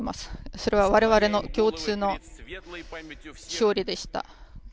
それは我々の共通の勝利でした。